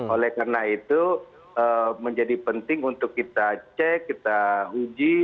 oleh karena itu menjadi penting untuk kita cek kita uji